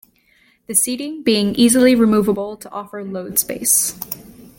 The seating being easily removable to offer load space.